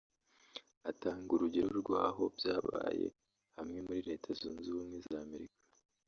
Atanga urugero rw’aho byabaye hamwe muri muri Leta Zunze Ubumwe za Amerika